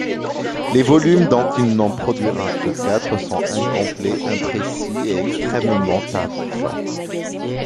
Les volumes, dont il n'en produira que quatre, sont incomplets, imprécis et extrêmement tardifs.